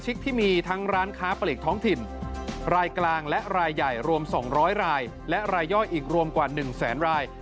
จากรัฐบาลอยู่เลย